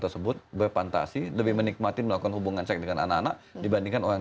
tersebut berpantasi lebih menikmati melakukan hubungan seks dengan anak anak dibandingkan orang